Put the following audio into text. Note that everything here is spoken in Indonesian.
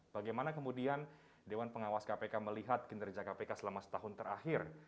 bagaimana kemudian dewan pengawas kpk melihat kinerja kpk selama setahun terakhir